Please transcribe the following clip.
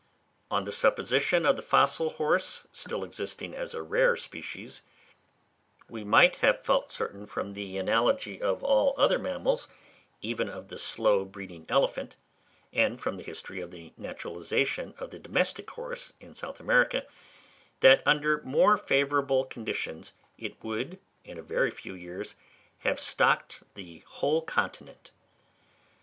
On the supposition of the fossil horse still existing as a rare species, we might have felt certain, from the analogy of all other mammals, even of the slow breeding elephant, and from the history of the naturalisation of the domestic horse in South America, that under more favourable conditions it would in a very few years have stocked the whole continent.